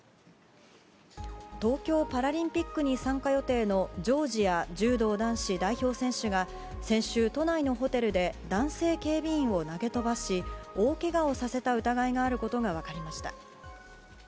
東京パラリンピックに参加予定のジョージア柔道男子代表選手が先週、都内のホテルで男性警備員を投げ飛ばし大けがをさせた疑いがあることが分かりました。